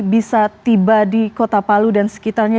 bisa tiba di kota palu dan sekitarnya